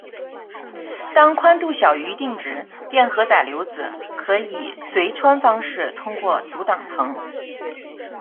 当宽度小于一定值，电荷载流子可以遂穿方式通过阻挡层。